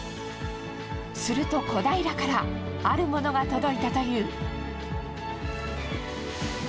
すると、小平からあるものが届いたという。